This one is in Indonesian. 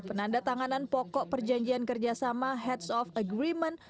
penanda tanganan pokok perjanjian kerjasama heads of agreement